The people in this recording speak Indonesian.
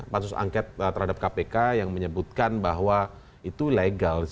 pansus angket terhadap kpk yang menyebutkan bahwa itu legal